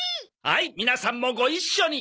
はい皆さんもご一緒に。